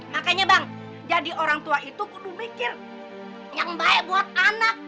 makanya bang jadi orang tua itu kudu mikir yang baik buat anak